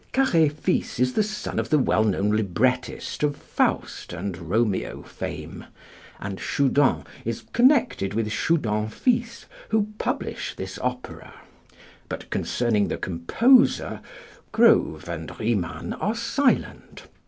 Carré fils is the son of the well known librettist of Faust and Romeo fame, and Choudens is connected with Choudens Fils, who publish this opera; but concerning the composer, Grove and Riemann are silent.